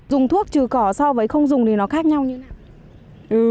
dùng thuốc trừ cỏ so với không dùng thì nó khác nhau như thế nào